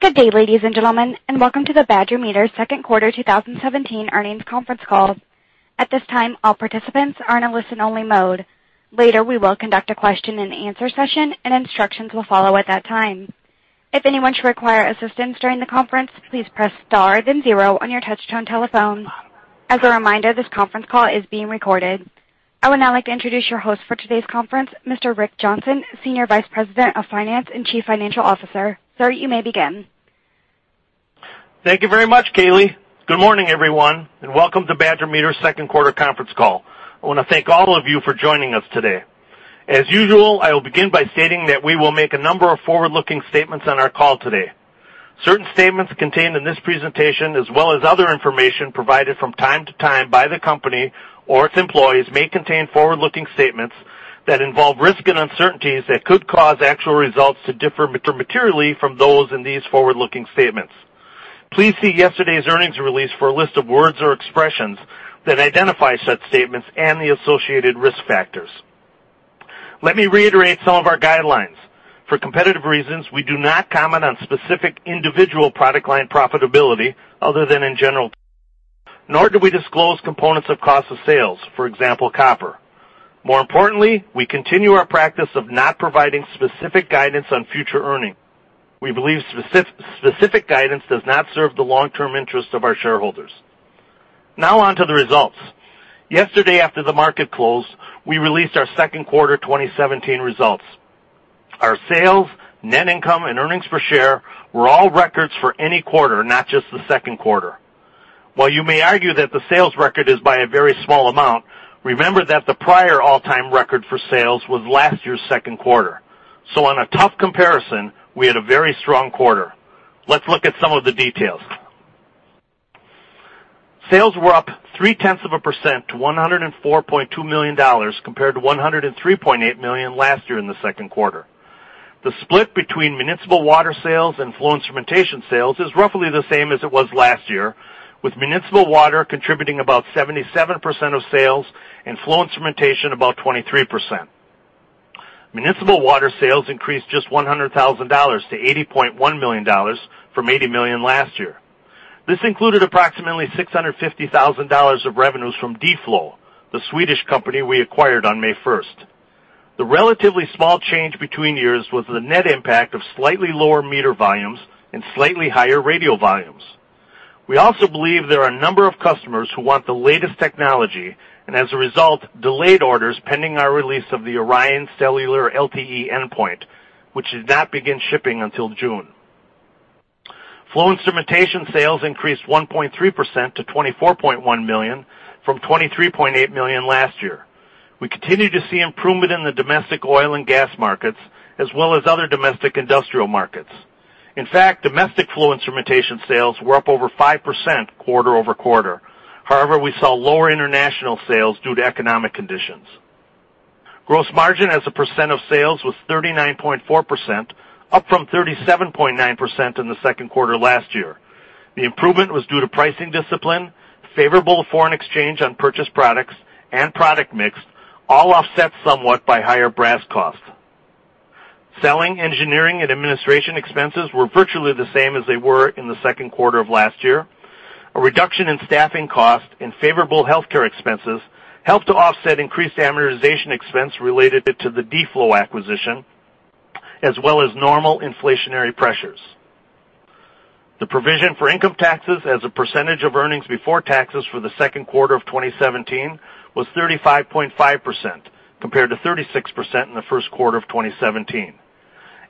Good day, ladies and gentlemen, welcome to the Badger Meter second quarter 2017 earnings conference call. At this time, all participants are in a listen-only mode. Later, we will conduct a question and answer session, and instructions will follow at that time. If anyone should require assistance during the conference, please press star then zero on your touch-tone telephone. As a reminder, this conference call is being recorded. I would now like to introduce your host for today's conference, Mr. Rick Johnson, Senior Vice President of Finance and Chief Financial Officer. Sir, you may begin. Thank you very much, Kaylee. Good morning, everyone, welcome to Badger Meter's second quarter conference call. I want to thank all of you for joining us today. As usual, I will begin by stating that we will make a number of forward-looking statements on our call today. Certain statements contained in this presentation, as well as other information provided from time to time by the company or its employees, may contain forward-looking statements that involve risks and uncertainties that could cause actual results to differ materially from those in these forward-looking statements. Please see yesterday's earnings release for a list of words or expressions that identify such statements and the associated risk factors. Let me reiterate some of our guidelines. For competitive reasons, we do not comment on specific individual product line profitability other than in general. Nor do we disclose components of cost of sales, for example, copper. More importantly, we continue our practice of not providing specific guidance on future earnings. We believe specific guidance does not serve the long-term interest of our shareholders. Now on to the results. Yesterday, after the market closed, we released our second quarter 2017 results. Our sales, net income, and earnings per share were all records for any quarter, not just the second quarter. While you may argue that the sales record is by a very small amount, remember that the prior all-time record for sales was last year's second quarter. On a tough comparison, we had a very strong quarter. Let's look at some of the details. Sales were up three-tenths of a % to $104.2 million, compared to $103.8 million last year in the second quarter. The split between municipal water sales and flow instrumentation sales is roughly the same as it was last year, with municipal water contributing about 77% of sales and flow instrumentation about 23%. Municipal water sales increased just $100,000 to $80.1 million from $80 million last year. This included approximately $650,000 of revenues from D-Flow, the Swedish company we acquired on May 1st. The relatively small change between years was the net impact of slightly lower meter volumes and slightly higher radio volumes. We also believe there are a number of customers who want the latest technology and, as a result, delayed orders pending our release of the ORION Cellular LTE endpoint, which did not begin shipping until June. Flow instrumentation sales increased 1.3% to $24.1 million from $23.8 million last year. We continue to see improvement in the domestic oil and gas markets, as well as other domestic industrial markets. In fact, domestic flow instrumentation sales were up over 5% quarter-over-quarter. However, we saw lower international sales due to economic conditions. Gross margin as a % of sales was 39.4%, up from 37.9% in the second quarter last year. The improvement was due to pricing discipline, favorable foreign exchange on purchased products, and product mix, all offset somewhat by higher brass costs. Selling, engineering, and administration expenses were virtually the same as they were in the second quarter of last year. A reduction in staffing costs and favorable healthcare expenses helped to offset increased amortization expense related to the D-Flow acquisition, as well as normal inflationary pressures. The provision for income taxes as a % of earnings before taxes for the second quarter of 2017 was 35.5%, compared to 36% in the first quarter of 2017.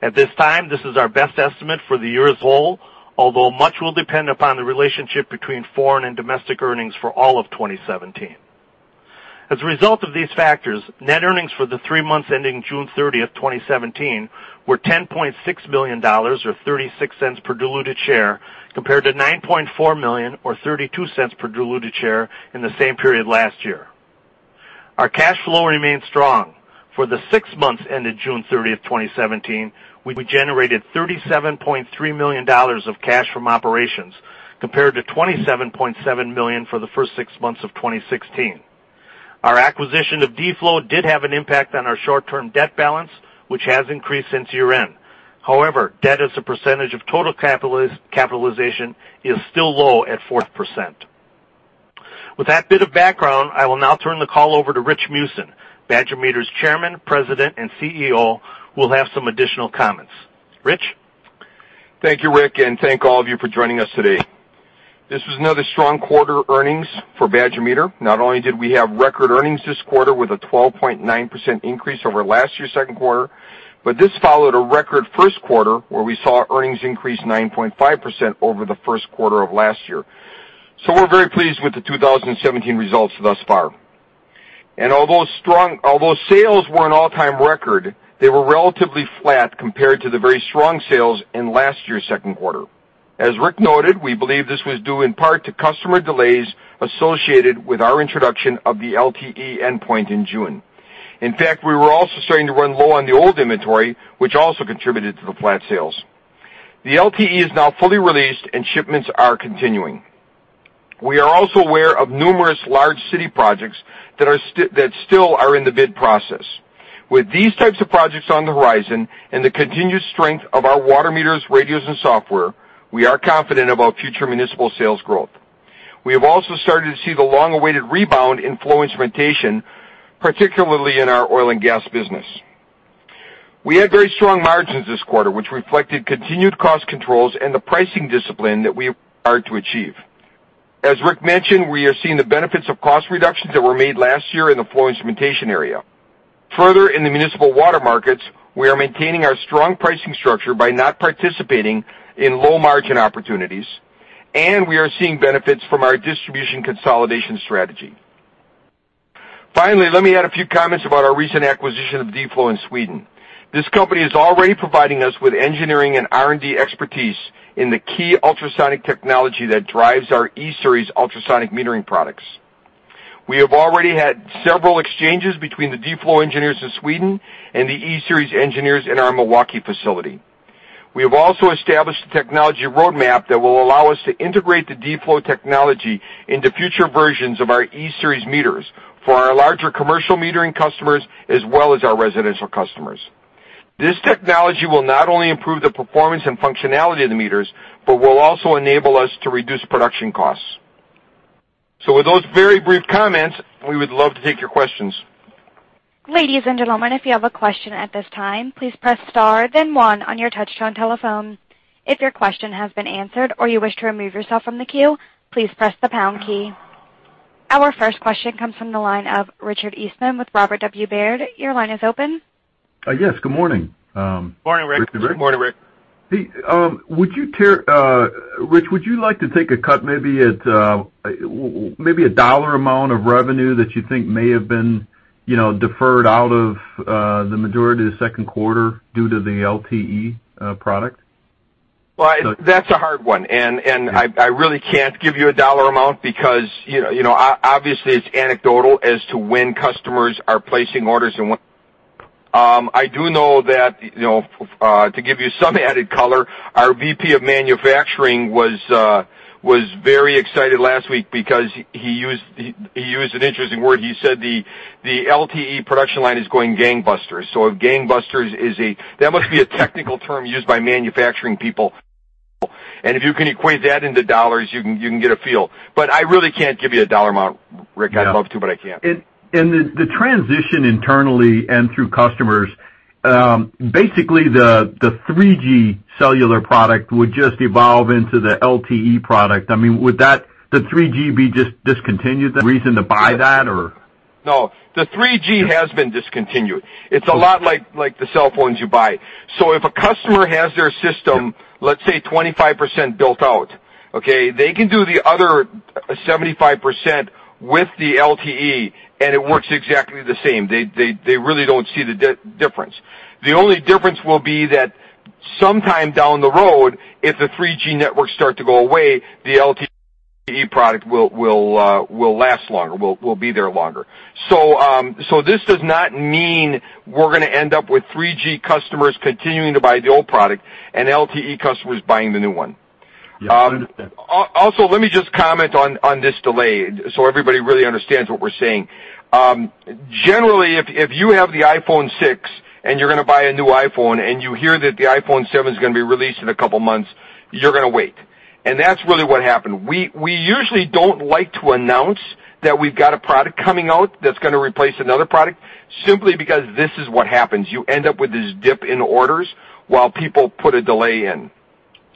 At this time, this is our best estimate for the year as a whole, although much will depend upon the relationship between foreign and domestic earnings for all of 2017. As a result of these factors, net earnings for the three months ending June 30, 2017, were $10.6 million or $0.36 per diluted share, compared to $9.4 million or $0.32 per diluted share in the same period last year. Our cash flow remains strong. For the six months ended June 30, 2017, we generated $37.3 million of cash from operations, compared to $27.7 million for the first six months of 2016. Our acquisition of D-Flow did have an impact on our short-term debt balance, which has increased since year-end. However, debt as a % of total capitalization is still low at 4%. With that bit of background, I will now turn the call over to Rich Meeusen, Badger Meter's Chairman, President, and CEO, who will have some additional comments. Rich? Thank you, Rick. Thank all of you for joining us today. This was another strong quarter earnings for Badger Meter. Not only did we have record earnings this quarter with a 12.9% increase over last year's second quarter, but this followed a record first quarter where we saw earnings increase 9.5% over the first quarter of last year. We're very pleased with the 2017 results thus far. Although sales were an all-time record, they were relatively flat compared to the very strong sales in last year's second quarter. As Rick noted, we believe this was due in part to customer delays associated with our introduction of the LTE Endpoint in June. In fact, we were also starting to run low on the old inventory, which also contributed to the flat sales. The LTE is now fully released and shipments are continuing. We are also aware of numerous large city projects that still are in the bid process. With these types of projects on the horizon and the continued strength of our water meters, radios, and software, we are confident about future municipal sales growth. We have also started to see the long-awaited rebound in flow instrumentation, particularly in our oil and gas business. We had very strong margins this quarter, which reflected continued cost controls and the pricing discipline that we are to achieve. As Rick mentioned, we are seeing the benefits of cost reductions that were made last year in the flow instrumentation area. In the municipal water markets, we are maintaining our strong pricing structure by not participating in low-margin opportunities, and we are seeing benefits from our distribution consolidation strategy. Finally, let me add a few comments about our recent acquisition of D-Flow in Sweden. This company is already providing us with engineering and R&D expertise in the key ultrasonic technology that drives our E-Series ultrasonic metering products. We have already had several exchanges between the D-Flow engineers in Sweden and the E-Series engineers in our Milwaukee facility. We have also established a technology roadmap that will allow us to integrate the D-Flow technology into future versions of our E-Series meters for our larger commercial metering customers, as well as our residential customers. This technology will not only improve the performance and functionality of the meters, but will also enable us to reduce production costs. With those very brief comments, we would love to take your questions. Ladies and gentlemen, if you have a question at this time, please press star then one on your touch-tone telephone. If your question has been answered or you wish to remove yourself from the queue, please press the pound key. Our first question comes from the line of Richard Eastman with Robert W. Baird. Your line is open. Yes, good morning. Morning, Rick. Richard Rick. Good morning, Rick. Rich, would you like to take a cut, maybe a dollar amount of revenue that you think may have been deferred out of the majority of the second quarter due to the LTE product? Well, that's a hard one. I really can't give you a $ amount because, obviously, it's anecdotal as to when customers are placing orders. What I do know that, to give you some added color, our VP of manufacturing was very excited last week because he used an interesting word. He said the LTE production line is going gangbusters. That must be a technical term used by manufacturing people. If you can equate that into $, you can get a feel. I really can't give you a $ amount, Rick. Yeah. I'd love to, but I can't. The transition internally and through customers, basically, the 3G cellular product would just evolve into the LTE product. Would the 3G be discontinued? The reason to buy that or? No, the 3G has been discontinued. It's a lot like the cell phones you buy. If a customer has their system- Yeah Let's say 25% built out, okay, they can do the other 75% with the LTE, and it works exactly the same. They really don't see the difference. The only difference will be that sometime down the road, if the 3G networks start to go away, the LTE product will last longer, will be there longer. This does not mean we're going to end up with 3G customers continuing to buy the old product and LTE customers buying the new one. Yes, I understand. Let me just comment on this delay so everybody really understands what we're saying. Generally, if you have the iPhone 6 and you're going to buy a new iPhone, and you hear that the iPhone 7 is going to be released in a couple of months, you're going to wait. That's really what happened. We usually don't like to announce that we've got a product coming out that's going to replace another product simply because this is what happens. You end up with this dip in orders while people put a delay in.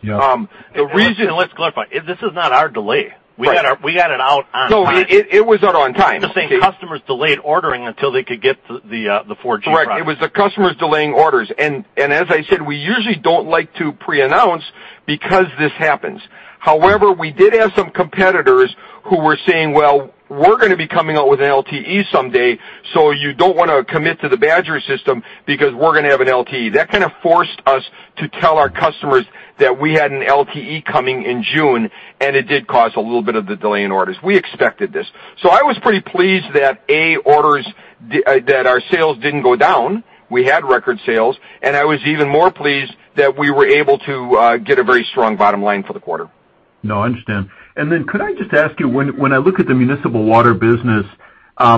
Yeah. The reason- Let's clarify. This is not our delay. Right. We got it out on time. It was out on time. I'm just saying, customers delayed ordering until they could get the 4G product. Correct. It was the customers delaying orders. As I said, we usually don't like to pre-announce because this happens. However, we did have some competitors who were saying, "Well, we're going to be coming out with an LTE someday, so you don't want to commit to the Badger system because we're going to have an LTE." That kind of forced us to tell our customers that we had an LTE coming in June, it did cause a little bit of the delay in orders. We expected this. I was pretty pleased that, A, that our sales didn't go down. We had record sales, and I was even more pleased that we were able to get a very strong bottom line for the quarter. No, I understand. Could I just ask you, when I look at the municipal water business,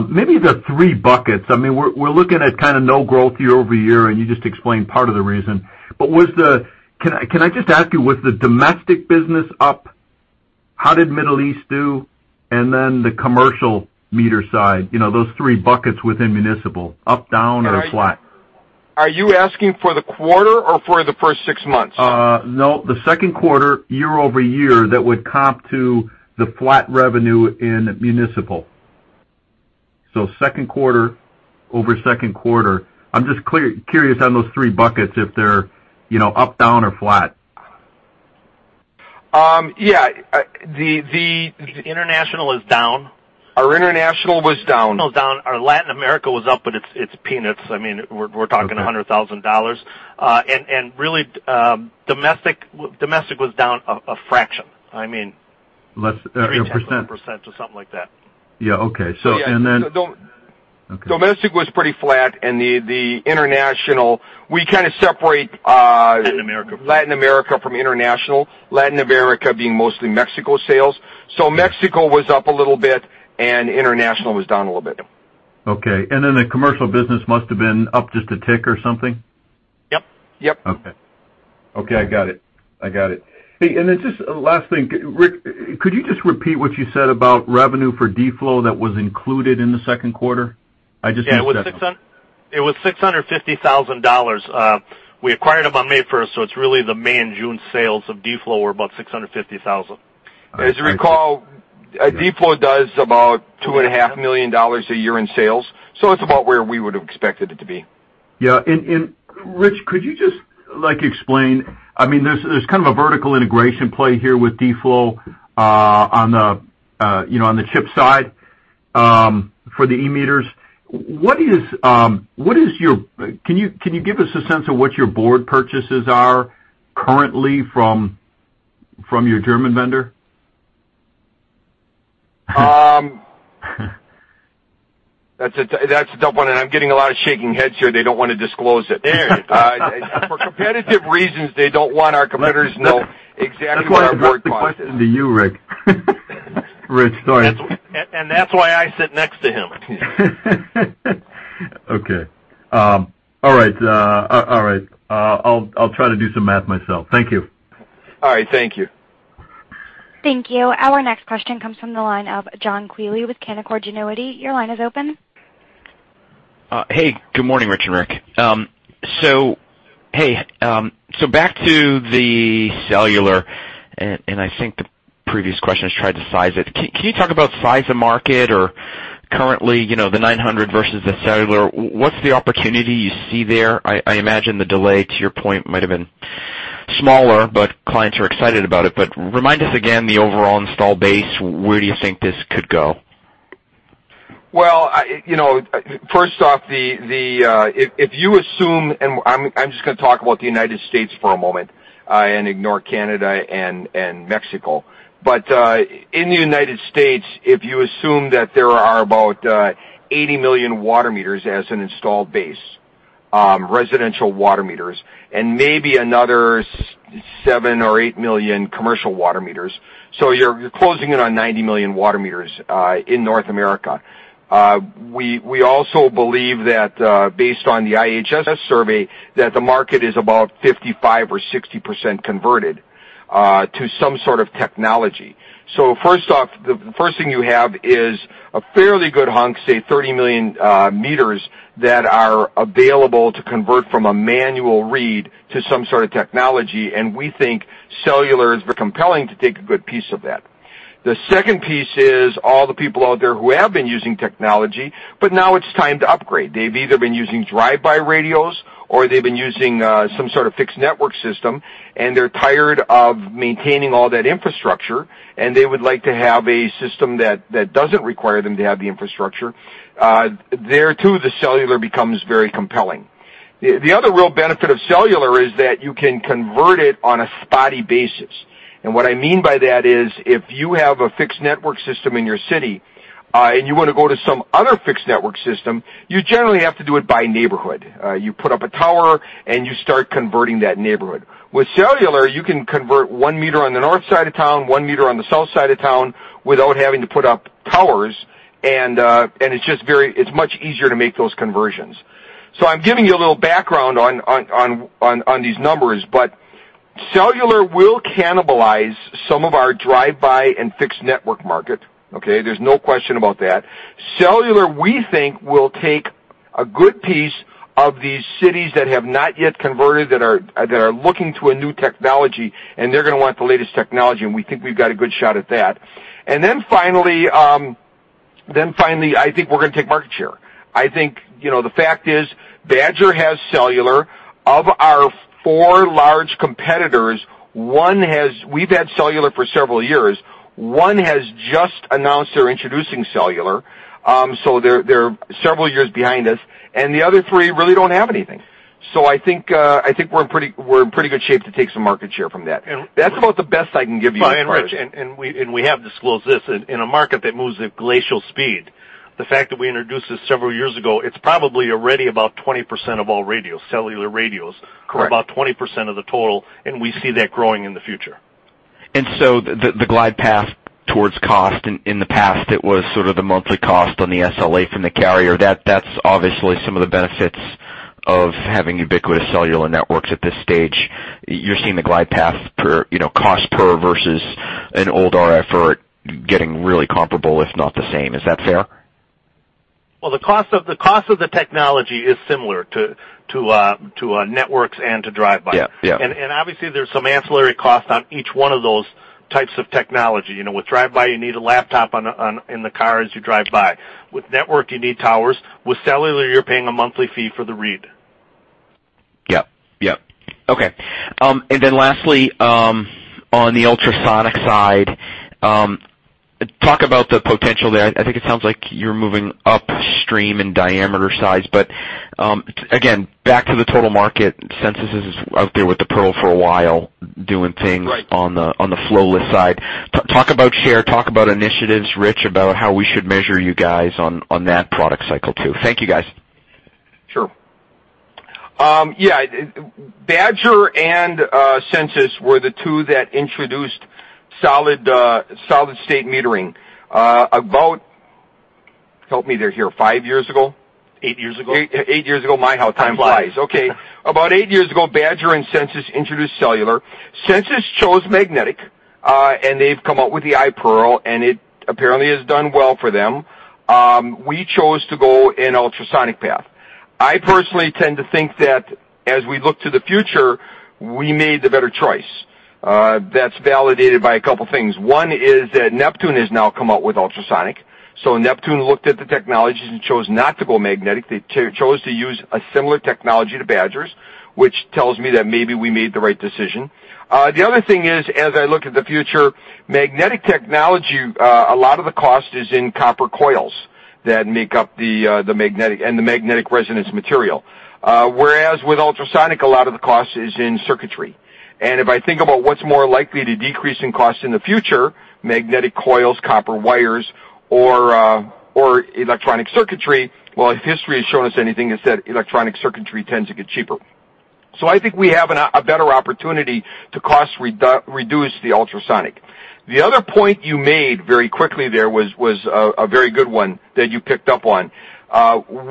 maybe the three buckets. We're looking at no growth year-over-year, you just explained part of the reason. Can I just ask you, was the domestic business up? How did Middle East do? The commercial meter side, those three buckets within municipal, up, down, or flat? Are you asking for the quarter or for the first six months? No, the second quarter, year-over-year, that would comp to the flat revenue in municipal. Second quarter over second quarter. I'm just curious on those three buckets, if they're up, down, or flat. Yeah. The international is down. Our international was down. International down. Our Latin America was up, but it's peanuts. We're talking $100,000. Okay. Really, domestic was down a fraction. A percent? A tenth of a percent or something like that. Yeah. Okay. Domestic was pretty flat and the international, we kind of separate. Latin America Latin America from international. Latin America being mostly Mexico sales. Mexico was up a little bit and international was down a little bit. Okay. The commercial business must have been up just a tick or something? Yep. Okay. I got it. Hey, just last thing, Rick, could you just repeat what you said about revenue for D-Flow that was included in the second quarter? I just missed that one. Yeah, it was $650,000. We acquired them on May 1st, so it's really the May and June sales of D-Flow were about $650,000. As you recall, D-Flow does about $2.5 million a year in sales, so it's about where we would have expected it to be. Yeah. Rich, could you just explain, there's kind of a vertical integration play here with D-Flow on the chip side for the e-meters. Can you give us a sense of what your board purchases are currently from your German vendor? That's a tough one, and I'm getting a lot of shaking heads here. They don't want to disclose it. There you go. For competitive reasons, they don't want our competitors to know exactly what our board cost is. That's why I directed the question to you, Rick. Rich, sorry. That's why I sit next to him. Okay. All right. I'll try to do some math myself. Thank you. All right. Thank you. Thank you. Our next question comes from the line of John Quealy with Canaccord Genuity. Your line is open. Hey, good morning, Rich and Rick. Back to the cellular, I think the previous question has tried to size it. Can you talk about size of market or currently, the 900 versus the cellular? What's the opportunity you see there? I imagine the delay, to your point, might've been smaller, but clients are excited about it. Remind us again, the overall install base. Where do you think this could go? First off, if you assume, I'm just going to talk about the United States for a moment, ignore Canada and Mexico. In the United States, if you assume that there are about 80 million water meters as an installed base, residential water meters, and maybe another seven or eight million commercial water meters. You're closing in on 90 million water meters in North America. We also believe that based on the IHS Markit survey, that the market is about 55 or 60% converted to some sort of technology. First off, the first thing you have is a fairly good hunk, say, 30 million meters that are available to convert from a manual read to some sort of technology, and we think cellular is very compelling to take a good piece of that. The second piece is all the people out there who have been using technology, now it's time to upgrade. They've either been using drive-by radios or they've been using some sort of fixed network system, they're tired of maintaining all that infrastructure, they would like to have a system that doesn't require them to have the infrastructure. There, too, the cellular becomes very compelling. The other real benefit of cellular is that you can convert it on a spotty basis. What I mean by that is if you have a fixed network system in your city, you want to go to some other fixed network system, you generally have to do it by neighborhood. You put up a tower, you start converting that neighborhood. With cellular, you can convert one meter on the north side of town, one meter on the south side of town without having to put up towers, it's much easier to make those conversions. I'm giving you a little background on these numbers, cellular will cannibalize some of our drive-by and fixed network market, okay? There's no question about that. Cellular, we think, will take a good piece of these cities that have not yet converted that are looking to a new technology, they're going to want the latest technology, we think we've got a good shot at that. Finally, I think we're going to take market share. I think, the fact is, Badger has cellular. Of our four large competitors, we've had cellular for several years. One has just announced they're introducing cellular, they're several years behind us, the other three really don't have anything. I think we're in pretty good shape to take some market share from that. That's about the best I can give you. Rich, we have disclosed this. In a market that moves at glacial speed, the fact that we introduced this several years ago, it's probably already about 20% of all radios, cellular radios. Correct. About 20% of the total, we see that growing in the future. The glide path towards cost in the past, it was sort of the monthly cost on the SLA from the carrier. That's obviously some of the benefits of having ubiquitous cellular networks at this stage. You're seeing the glide path cost per versus an old RF or getting really comparable, if not the same. Is that fair? Well, the cost of the technology is similar to networks and to drive-by. Yeah. Obviously, there's some ancillary cost on each one of those types of technology. With drive-by, you need a laptop in the car as you drive by. With network, you need towers. With cellular, you're paying a monthly fee for the read. Yep. Okay. Lastly, on the ultrasonic side, talk about the potential there. I think it sounds like you're moving upstream in diameter size, but again, back to the total market, Sensus is out there with the iPERL for a while doing things- Right on the flowless side. Talk about share, talk about initiatives, Rich, about how we should measure you guys on that product cycle too. Thank you, guys. Sure. Yeah. Badger and Sensus were the two that introduced solid state metering. About, help me there, here, five years ago? Eight years ago. Eight years ago. My, how time flies. flies. Okay. About eight years ago, Badger and Sensus introduced cellular. Sensus chose magnetic, and they've come out with the iPERL, and it apparently has done well for them. We chose to go an ultrasonic path. I personally tend to think that as we look to the future, we made the better choice. That's validated by a couple things. One is that Neptune has now come out with ultrasonic. Neptune looked at the technologies and chose not to go magnetic. They chose to use a similar technology to Badger's, which tells me that maybe we made the right decision. The other thing is, as I look at the future, magnetic technology, a lot of the cost is in copper coils that make up the magnetic and the magnetic resonance material. Whereas with ultrasonic, a lot of the cost is in circuitry. If I think about what's more likely to decrease in cost in the future, magnetic coils, copper wires, or electronic circuitry. Well, if history has shown us anything, it's that electronic circuitry tends to get cheaper. I think we have a better opportunity to cost reduce the ultrasonic. The other point you made very quickly there was a very good one that you picked up on.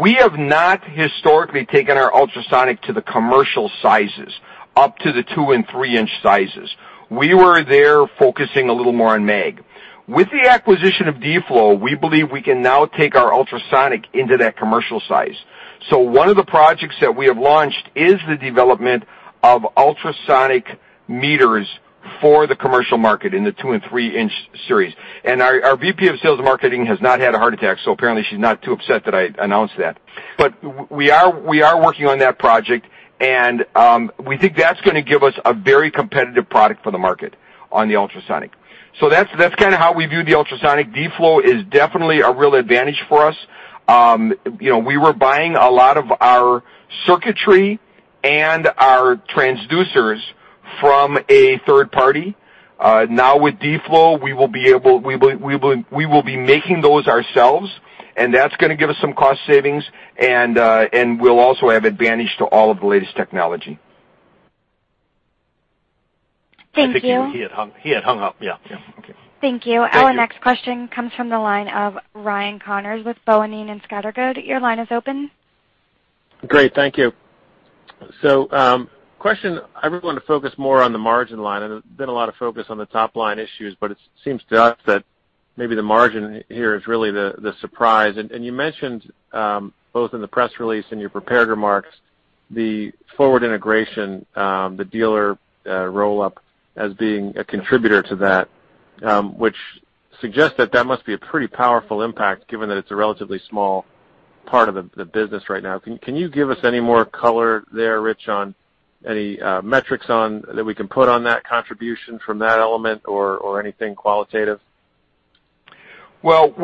We have not historically taken our ultrasonic to the commercial sizes, up to the two- and three-inch sizes. We were there focusing a little more on mag. With the acquisition of D-Flow, we believe we can now take our ultrasonic into that commercial size. One of the projects that we have launched is the development of ultrasonic meters for the commercial market in the two- and three-inch series. Our VP of sales marketing has not had a heart attack, so apparently she's not too upset that I announced that. We are working on that project, and we think that's going to give us a very competitive product for the market on the ultrasonic. That's kind of how we view the ultrasonic. D-Flow is definitely a real advantage for us. We were buying a lot of our circuitry and our transducers from a third party. Now with D-Flow, we will be making those ourselves, and that's going to give us some cost savings, and we'll also have advantage to all of the latest technology. Thank you. I think he had hung up. Yeah. Yeah. Okay. Thank you. Thank you. Our next question comes from the line of Ryan Connors with Boenning & Scattergood. Your line is open. Great. Thank you. Question, I really want to focus more on the margin line, there's been a lot of focus on the top-line issues, but it seems to us that maybe the margin here is really the surprise. You mentioned, both in the press release and your prepared remarks, the forward integration, the dealer roll-up as being a contributor to that, which suggests that that must be a pretty powerful impact given that it's a relatively small part of the business right now. Can you give us any more color there, Rich, on any metrics that we can put on that contribution from that element or anything qualitative? Well,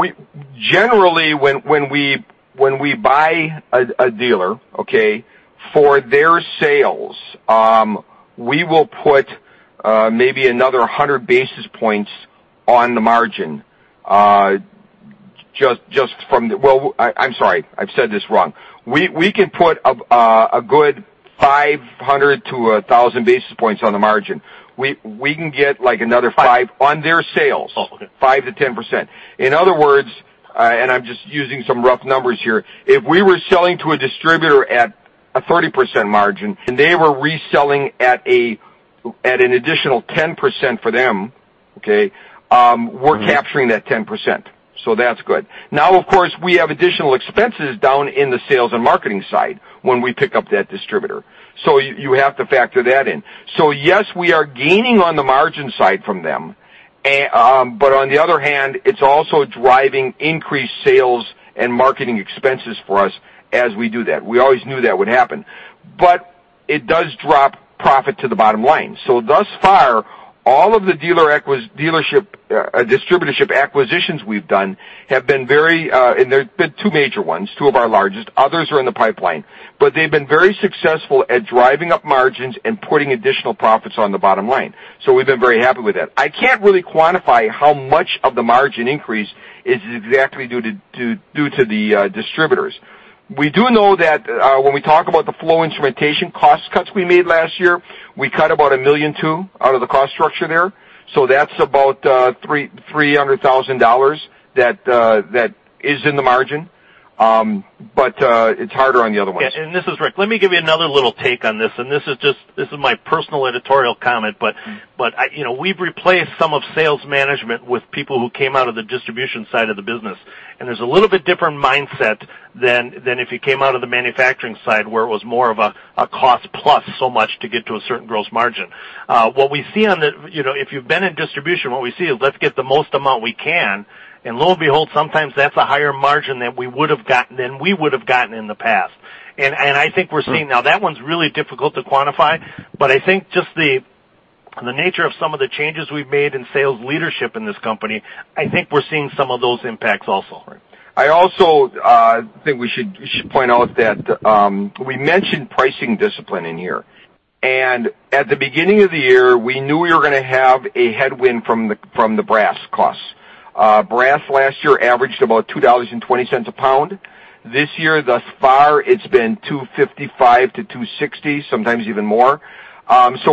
generally, when we buy a dealer, okay, for their sales, we will put maybe another 100 basis points on the margin, just from. Well, I'm sorry. I've said this wrong. We can put a good 500-1,000 basis points on the margin. We can get like another five- Five. On their sales. Oh, okay. 5-10%. In other words, and I'm just using some rough numbers here, if we were selling to a distributor at a 30% margin, and they were reselling at an additional 10% for them, okay? We're capturing that 10%. That's good. Of course, we have additional expenses down in the sales and marketing side when we pick up that distributor. You have to factor that in. Yes, we are gaining on the margin side from them. On the other hand, it's also driving increased sales and marketing expenses for us as we do that. We always knew that would happen. It does drop profit to the bottom line. Thus far, all of the dealership, distributorship acquisitions we've done There's been two major ones, two of our largest. Others are in the pipeline. They've been very successful at driving up margins and putting additional profits on the bottom line. We've been very happy with that. I can't really quantify how much of the margin increase is exactly due to the distributors. We do know that when we talk about the flow instrumentation cost cuts we made last year, we cut about $1.2 million out of the cost structure there. That's about $300,000 that is in the margin. It's harder on the other ones. This is Rick. Let me give you another little take on this is my personal editorial comment, we've replaced some of sales management with people who came out of the distribution side of the business, there's a little bit different mindset than if you came out of the manufacturing side, where it was more of a cost plus so much to get to a certain gross margin. If you've been in distribution, what we see is let's get the most amount we can, lo and behold, sometimes that's a higher margin than we would've gotten in the past. I think we're seeing now that one's really difficult to quantify, I think just the nature of some of the changes we've made in sales leadership in this company, I think we're seeing some of those impacts also. Right. I also think we should point out that we mentioned pricing discipline in here. At the beginning of the year, we knew we were going to have a headwind from the brass costs. Brass last year averaged about $2.20 a pound. This year, thus far, it's been $2.55 to $2.60, sometimes even more.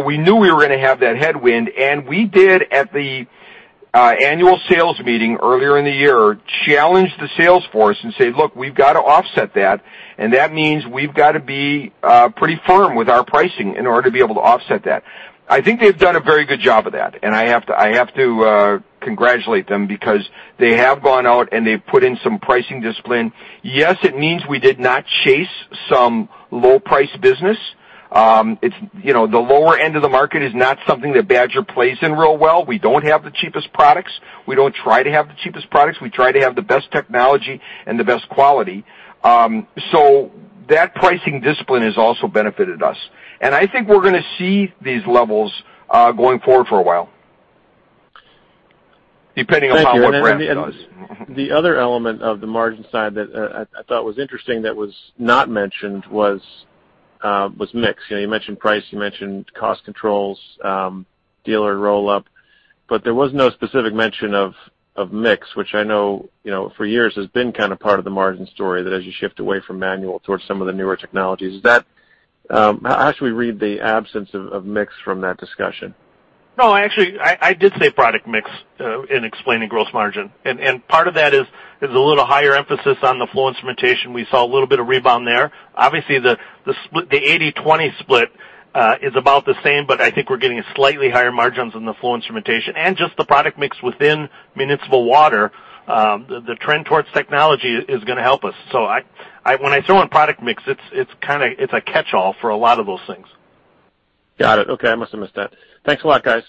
We knew we were going to have that headwind, we did at the annual sales meeting earlier in the year, challenge the sales force and say, "Look, we've got to offset that means we've got to be pretty firm with our pricing in order to be able to offset that." I think they've done a very good job of that, I have to congratulate them because they have gone out and they've put in some pricing discipline. Yes, it means we did not chase some low-price business. The lower end of the market is not something that Badger plays in real well. We don't have the cheapest products. We don't try to have the cheapest products. We try to have the best technology and the best quality. That pricing discipline has also benefited us. I think we're going to see these levels going forward for a while, depending on how bad brass does. Thank you. The other element of the margin side that I thought was interesting that was not mentioned was mix. You mentioned price, you mentioned cost controls, dealer roll-up, but there was no specific mention of mix, which I know for years has been kind of part of the margin story, that as you shift away from manual towards some of the newer technologies. How should we read the absence of mix from that discussion? Actually, I did say product mix in explaining gross margin. Part of that is a little higher emphasis on the flow instrumentation. We saw a little bit of rebound there. Obviously, the 80/20 split is about the same, but I think we're getting slightly higher margins on the flow instrumentation and just the product mix within municipal water. The trend towards technology is going to help us. When I throw in product mix, it's a catchall for a lot of those things. Got it. Okay. I must have missed that. Thanks a lot, guys.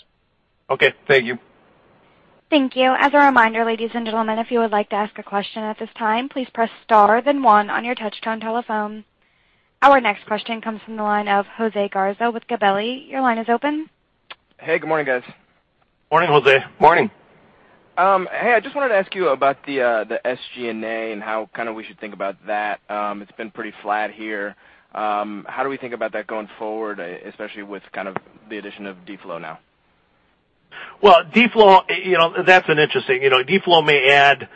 Okay. Thank you. Thank you. As a reminder, ladies and gentlemen, if you would like to ask a question at this time, please press star then one on your touch-tone telephone. Our next question comes from the line of Jose Garza with Gabelli. Your line is open. Hey, good morning, guys. Morning, Jose. Morning. Hey, I just wanted to ask you about the SG&A and how kind of we should think about that. It's been pretty flat here. How do we think about that going forward, especially with kind of the addition of D-Flow now? Well, D-Flow may add,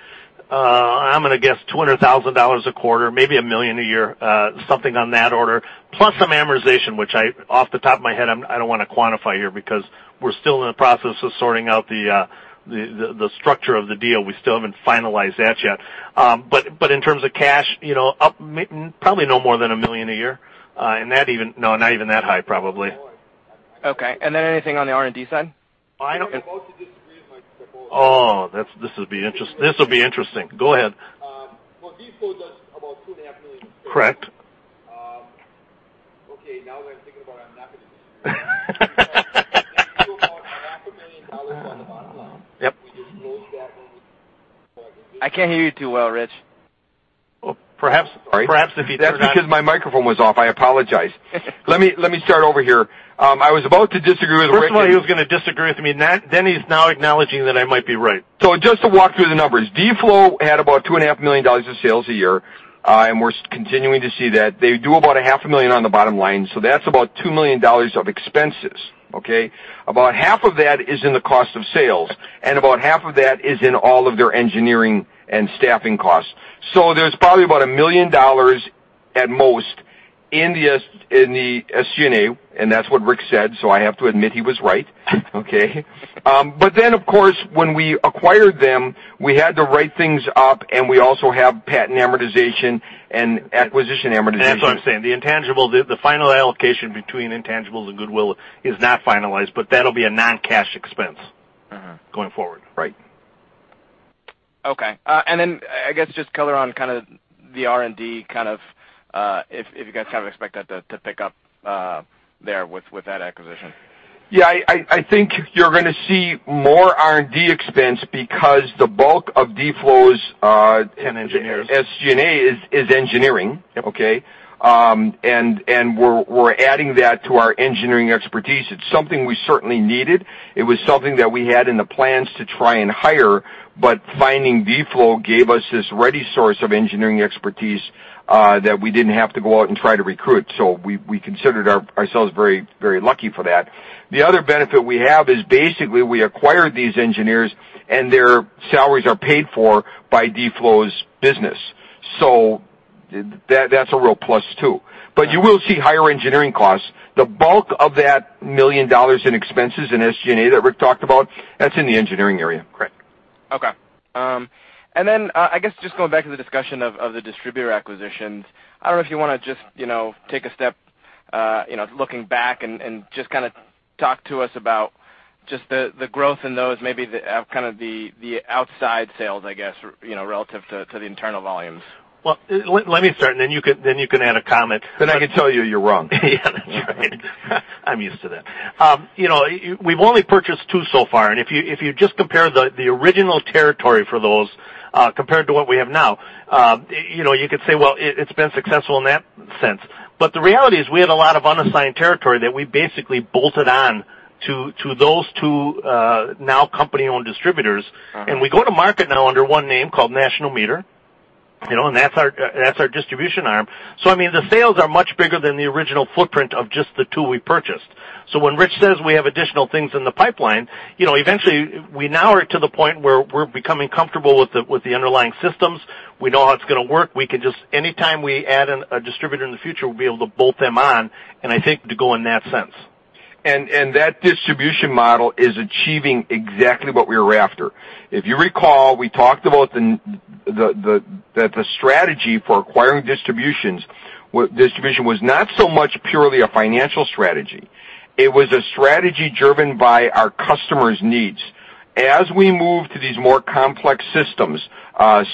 I'm going to guess $200,000 a quarter, maybe $1 million a year, something on that order, plus some amortization, which off the top of my head, I don't want to quantify here because we're still in the process of sorting out the structure of the deal. We still haven't finalized that yet. In terms of cash, probably no more than $1 million a year. No, not even that high, probably. Okay. Anything on the R&D side? I don't. I'm about to disagree with my. Oh, this will be interesting. Go ahead. Well, D-Flow does about two and a half million in sales. Correct. Okay, now that I'm thinking about it, I'm not going to disagree. They do about a half a million dollars on the bottom line. Yep. We just closed that one. I can't hear you too well, Rich. Perhaps if you turn on- That's because my microphone was off. I apologize. Let me start over here. I was about to disagree with Rick and- First of all, he was going to disagree with me. He's now acknowledging that I might be right. Just to walk through the numbers, D-Flow had about $2.5 million of sales a year, and we're continuing to see that. They do about a half a million on the bottom line. That's about $2 million of expenses. Okay? About half of that is in the cost of sales, and about half of that is in all of their engineering and staffing costs. There's probably about $1 million at most in the SG&A, and that's what Rick said. I have to admit he was right. Okay? Of course, when we acquired them, we had to write things up, and we also have patent amortization and acquisition amortization. That's what I'm saying. The final allocation between intangibles and goodwill is not finalized, but that'll be a non-cash expense going forward. Right. Okay. I guess just color on kind of the R&D, kind of, if you guys kind of expect that to pick up there with that acquisition. Yeah, I think you're going to see more R&D expense because the bulk of D-Flow's- Engineers SG&A is engineering. Yep. Okay? We're adding that to our engineering expertise. It's something we certainly needed. It was something that we had in the plans to try and hire, but finding D-Flow gave us this ready source of engineering expertise that we didn't have to go out and try to recruit. We considered ourselves very lucky for that. The other benefit we have is basically we acquired these engineers and their salaries are paid for by D-Flow's business. That's a real plus, too. You will see higher engineering costs. The bulk of that $1 million in expenses in SG&A that Rick talked about, that's in the engineering area. Correct. Okay. I guess just going back to the discussion of the distributor acquisitions, I don't know if you want to just take a step looking back and just kind of talk to us about just the growth in those, maybe kind of the outside sales, I guess, relative to the internal volumes. Well, let me start, and then you can add a comment. I can tell you you're wrong. Yeah, that's right. I'm used to that. We've only purchased two so far, if you just compare the original territory for those compared to what we have now, you could say, well, it's been successful in that sense. The reality is we had a lot of unassigned territory that we basically bolted on to those two now company-owned distributors. We go to market now under one name called National Meter. That's our distribution arm. The sales are much bigger than the original footprint of just the two we purchased. When Rich says we have additional things in the pipeline, eventually we now are to the point where we're becoming comfortable with the underlying systems. We know how it's going to work. Anytime we add a distributor in the future, we'll be able to bolt them on, and I think to go in that sense. That distribution model is achieving exactly what we were after. If you recall, we talked about that the strategy for acquiring distribution was not so much purely a financial strategy. It was a strategy driven by our customers' needs. As we move to these more complex systems,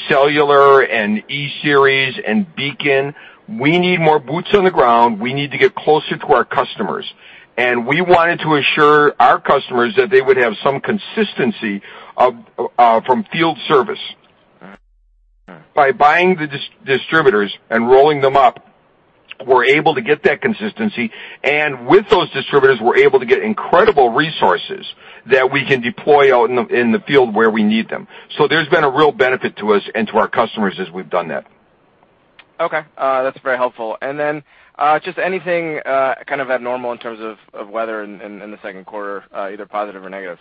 cellular and E-Series, and BEACON, we need more boots on the ground. We need to get closer to our customers. We wanted to assure our customers that they would have some consistency from field service. Right. By buying the distributors and rolling them up, we're able to get that consistency. With those distributors, we're able to get incredible resources that we can deploy out in the field where we need them. There's been a real benefit to us and to our customers as we've done that. Okay. That's very helpful. Just anything kind of abnormal in terms of weather in the second quarter, either positive or negative?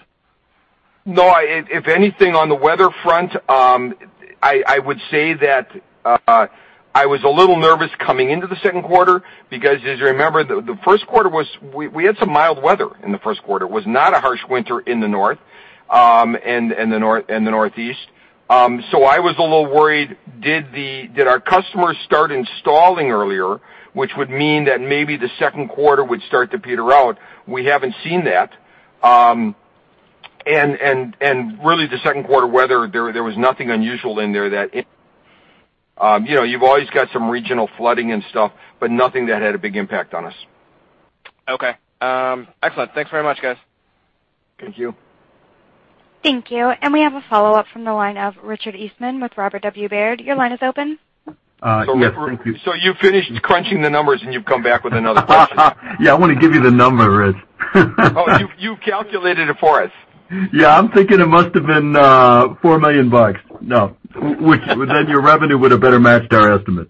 No. If anything, on the weather front, I would say that I was a little nervous coming into the second quarter, because as you remember, the first quarter, we had some mild weather in the first quarter. It was not a harsh winter in the North and the Northeast. I was a little worried, did our customers start installing earlier? Which would mean that maybe the second quarter would start to peter out. We haven't seen that. Really, the second quarter weather, there was nothing unusual in there that You've always got some regional flooding and stuff, but nothing that had a big impact on us. Okay. Excellent. Thanks very much, guys. Thank you. Thank you. We have a follow-up from the line of Richard Eastman with Robert W. Baird. Your line is open. Yes, thank you. You finished crunching the numbers, and you've come back with another question. I want to give you the number, Rich. You calculated it for us. I'm thinking it must've been $4 million bucks. No. Your revenue would've better matched our estimate.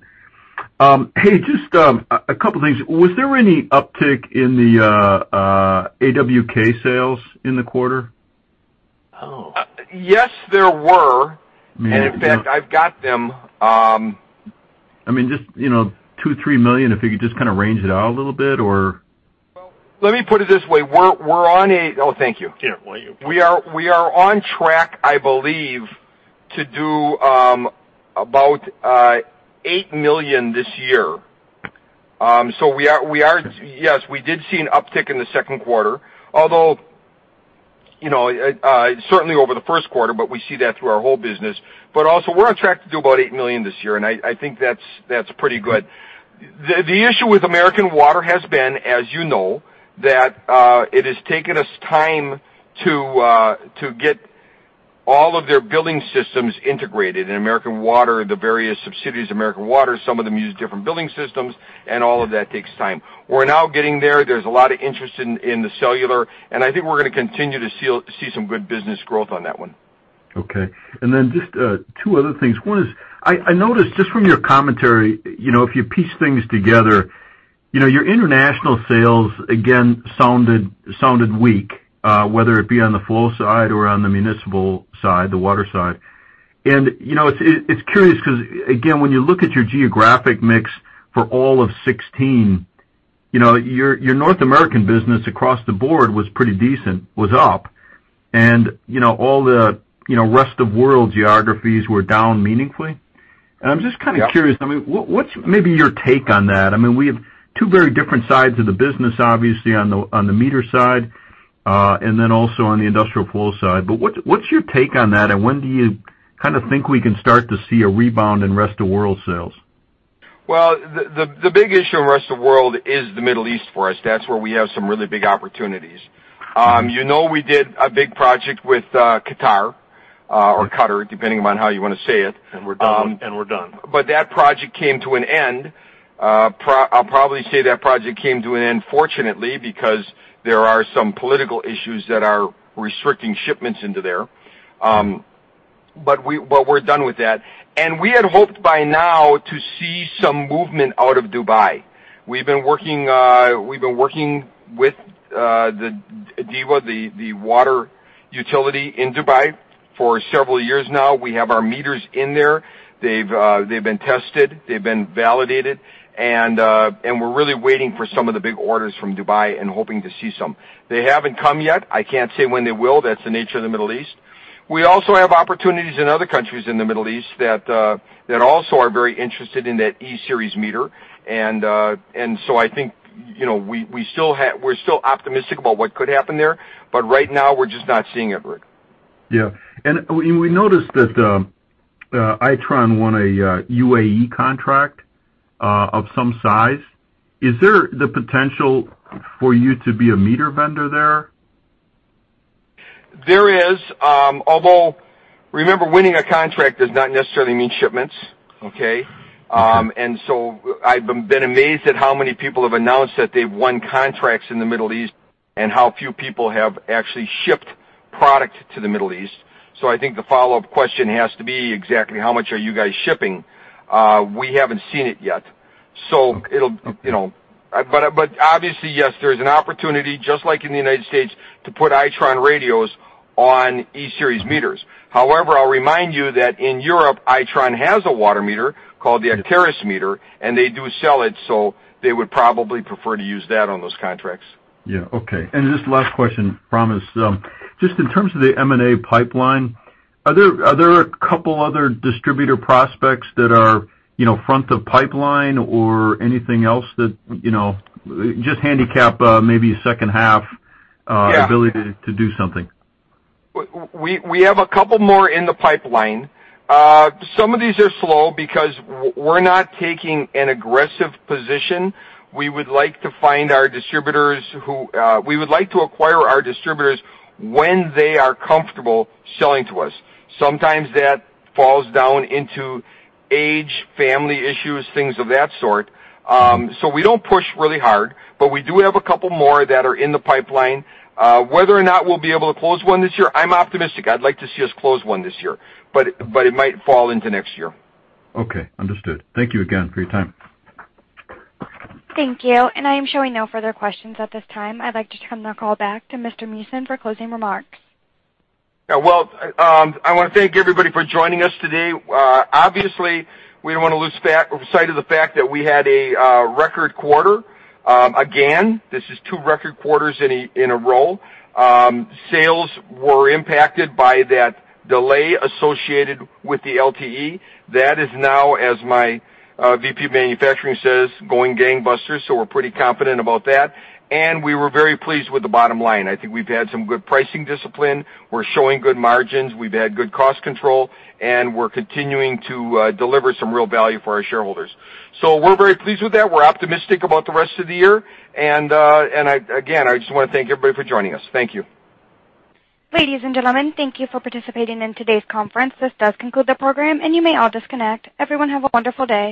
Just a couple of things. Was there any uptick in the AWK sales in the quarter? Yes, there were. In fact, I've got them. Just $2 million-$3 million, if you could just kind of range it out a little bit. Let me put it this way. Oh, thank you. You're welcome. We are on track, I believe, to do about $8 million this year. Yes, we did see an uptick in the second quarter, although, certainly over the first quarter, but we see that through our whole business. Also, we're on track to do about $8 million this year, and I think that's pretty good. The issue with American Water has been, as you know, that it has taken us time to get all of their billing systems integrated. In American Water, the various subsidiaries of American Water, some of them use different billing systems, and all of that takes time. We're now getting there. There's a lot of interest in the cellular, and I think we're going to continue to see some good business growth on that one. Then just 2 other things. I noticed just from your commentary, if you piece things together, your international sales again sounded weak, whether it be on the flow side or on the municipal side, the water side. It's curious because, again, when you look at your geographic mix for all of 2016, your North American business across the board was pretty decent, was up, and all the rest of world geographies were down meaningfully. I'm just kind of curious, what's maybe your take on that? We have 2 very different sides of the business, obviously, on the meter side, then also on the industrial flow side. What's your take on that, and when do you kind of think we can start to see a rebound in rest-of-world sales? The big issue in rest of world is the Middle East for us. That's where we have some really big opportunities. You know we did a big project with Qatar, or Qatar, depending upon how you want to say it. We're done. That project came to an end. I'll probably say that project came to an end fortunately, because there are some political issues that are restricting shipments into there. We're done with that. We had hoped by now to see some movement out of Dubai. We've been working with DEWA, the water utility in Dubai, for several years now. We have our meters in there. They've been tested. They've been validated. We're really waiting for some of the big orders from Dubai and hoping to see some. They haven't come yet. I can't say when they will. That's the nature of the Middle East. We also have opportunities in other countries in the Middle East that also are very interested in that E-Series meter. I think we're still optimistic about what could happen there, but right now, we're just not seeing it, Rick. Yeah. We noticed that Itron won a UAE contract of some size. Is there the potential for you to be a meter vendor there? There is. Although, remember, winning a contract does not necessarily mean shipments, okay? Okay. I've been amazed at how many people have announced that they've won contracts in the Middle East and how few people have actually shipped product to the Middle East. I think the follow-up question has to be exactly how much are you guys shipping? We haven't seen it yet. Obviously, yes, there is an opportunity, just like in the U.S., to put Itron radios on E-Series meters. However, I'll remind you that in Europe, Itron has a water meter called the Actaris meter, and they do sell it, so they would probably prefer to use that on those contracts. Yeah, okay. Just last question, Meeusen. Just in terms of the M&A pipeline, are there a couple other distributor prospects that are front of pipeline or anything else that Just handicap maybe second half ability to do something. We have a couple more in the pipeline. Some of these are slow because we're not taking an aggressive position. We would like to acquire our distributors when they are comfortable selling to us. Sometimes that falls down into age, family issues, things of that sort. We don't push really hard, but we do have a couple more that are in the pipeline. Whether or not we'll be able to close one this year, I'm optimistic. I'd like to see us close one this year, but it might fall into next year. Okay, understood. Thank you again for your time. Thank you. I am showing no further questions at this time. I'd like to turn the call back to Mr. Meeusen for closing remarks. Yeah, well, I want to thank everybody for joining us today. Obviously, we don't want to lose sight of the fact that we had a record quarter. Again, this is two record quarters in a row. Sales were impacted by that delay associated with the LTE. That is now, as my VP of manufacturing says, going gangbusters, so we're pretty confident about that, and we were very pleased with the bottom line. I think we've had some good pricing discipline. We're showing good margins. We've had good cost control, and we're continuing to deliver some real value for our shareholders. We're very pleased with that. We're optimistic about the rest of the year. Again, I just want to thank everybody for joining us. Thank you. Ladies and gentlemen, thank you for participating in today's conference. This does conclude the program, and you may all disconnect. Everyone, have a wonderful day.